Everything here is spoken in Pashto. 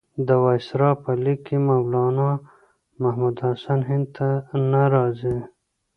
د وایسرا په لیک کې مولنا محمودالحسن هند ته نه راځي.